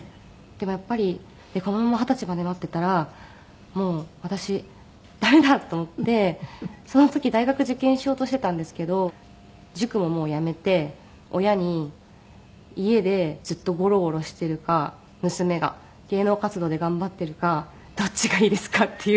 でもやっぱりこのまま二十歳まで待っていたらもう私駄目だと思ってその時大学受験しようとしていたんですけど塾ももうやめて親に「家でずっとゴロゴロしているか娘が芸能活動で頑張っているかどっちがいいですか？」っていう。